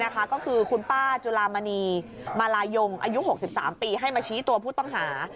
ก็คือคุณป้าจุลามณีมาลายงอายุ๖๓ปีให้มาชี้ตัวผู้ต้องหา